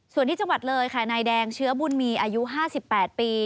ส่วนที่จังหวัดเลยค่ะอายุ๕๘ปี